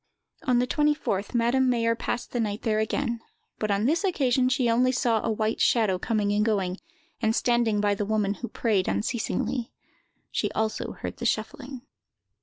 On the 24th, Madame Mayer passed the night there again; but on this occasion she only saw a white shadow coming and going, and standing by the woman, who prayed unceasingly. She also heard the shuffling.